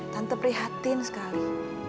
tante prihatin sekali